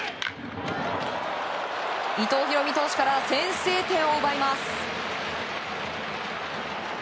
伊藤大海投手から先制点を奪います。